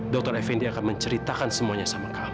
dr effendi akan menceritakan semuanya sama kamu